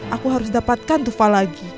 aku harus dapatkan tufa lagi